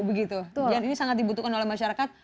jadi ini sangat dibutuhkan oleh masyarakat